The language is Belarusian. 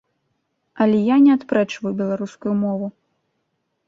Але я не адпрэчваю беларускую мову.